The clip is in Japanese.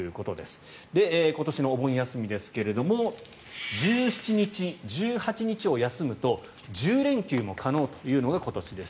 今年のお盆休みですが１７日、１８日を休むと１０連休も可能というのが今年です。